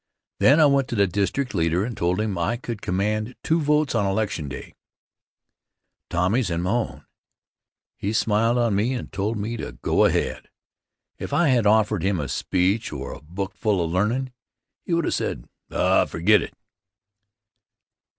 Then I went to the district leader and told him I could command two votes on election day, Tommy's and my own. He smiled on me and told me to go ahead. If I had offered him a speech or a bookful of learnin', he would have said, "Oh, forget it!"